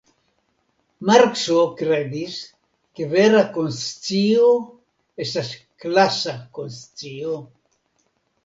Markso kredis ke vera konscio estas klasa konscio.